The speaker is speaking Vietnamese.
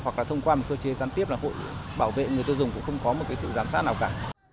hoặc là thông qua một cơ chế gián tiếp là hội bảo vệ người tiêu dùng cũng không có một sự giám sát nào cả